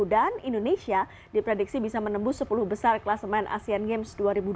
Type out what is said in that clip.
dan indonesia diprediksi bisa menembus sepuluh besar kelas main asian games dua ribu dua puluh dua